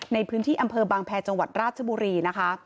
ในพื้นที่อำเภอบางแพรจังหวัดราชบุรีนะคะ